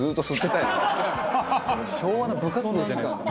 昭和の部活動じゃないですか。